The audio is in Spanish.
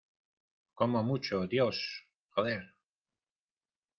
como mucho, Dios. joder .